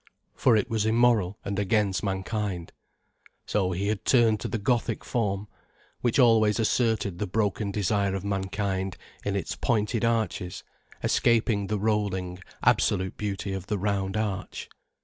For it was immoral and against mankind. So he had turned to the Gothic form, which always asserted the broken desire of mankind in its pointed arches, escaping the rolling, absolute beauty of the round arch.